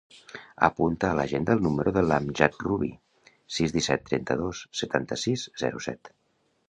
Apunta a l'agenda el número de l'Amjad Rubi: sis, disset, trenta-dos, setanta-sis, zero, set.